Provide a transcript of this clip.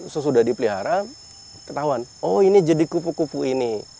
sesudah dipelihara ketahuan oh ini jadi kupu kupu ini